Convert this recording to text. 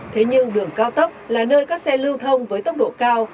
thế nhưng đường cao tốc là nơi các xe lưu thông với tốc độ cao